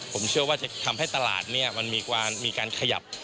ผมเชื่อว่าจะทำให้ตลาดมันมีการขยับ